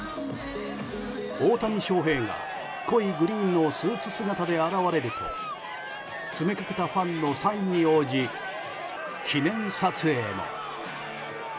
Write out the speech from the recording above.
大谷翔平が濃いグリーンのスーツ姿で現れると詰めかけたファンのサインに応じ記念撮影も。